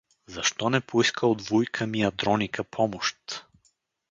— Защо не поиска от вуйка ми Андроника помощ?